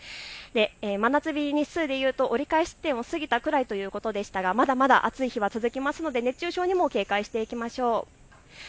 真夏日日数でいうと折り返し地点を過ぎたくらいということでしたが、まだまだ暑い日が続きますので熱中症にも警戒していきましょう。